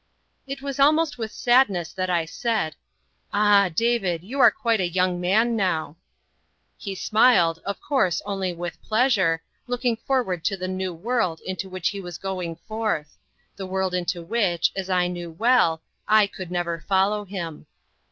It was almost with sadness that I said, "Ah! David, you are quite a young man now." He smiled, of course only with pleasure, looking forward to the new world into which he was going forth; the world into which, as I knew well, I could never follow him.